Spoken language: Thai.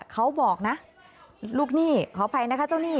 เขาบอกนะลูกหนี้ขออภัยนะคะเจ้าหนี้